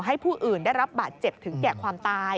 ผู้อื่นได้รับบาดเจ็บถึงแก่ความตาย